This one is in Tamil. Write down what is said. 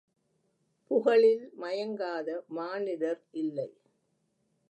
புகழில் மயங்காத மானிடர் இல்லை.